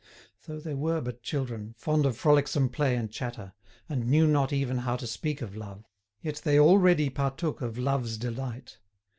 Though they were but children, fond of frolicsome play and chatter, and knew not even how to speak of love, yet they already partook of love's delight.